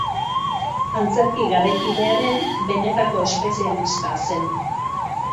Antzerki garaikidearen benetako espezialista zen.